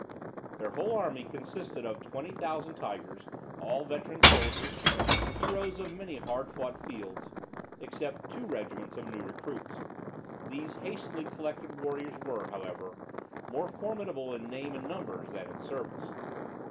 Their whole army consisted of twenty thousand tigers, all veteran soldiers, heroes of many hard fought fields, except two regiments of new recruits; these hastily collected warriors were, however, more formidable in name and numbers than in service.